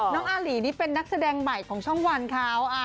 อาหลีนี่เป็นนักแสดงใหม่ของช่องวันเขา